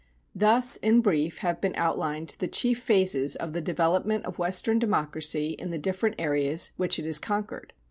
Thus, in brief, have been outlined the chief phases of the development of Western democracy in the different areas which it has conquered.